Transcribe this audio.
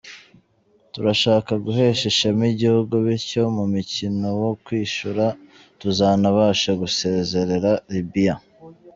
Turashaka guhesha ishema igihugu, bityo mu mukino wo kwishyura tuzanabashe gusezerera Libya.